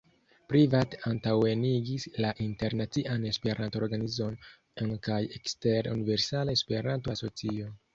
Privat antaŭenigis la internacian Esperanto-organizon en kaj ekster Universala Esperanto-Asocio.